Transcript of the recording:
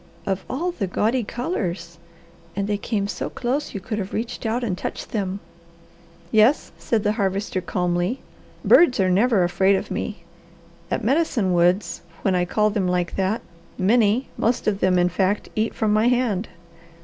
Of all the gaudy colours! And they came so close you could have reached out and touched them." "Yes," said the Harvester calmly. "Birds are never afraid of me. At Medicine Woods, when I call them like that, many, most of them, in fact, eat from my hand.